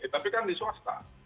tapi kan di swasta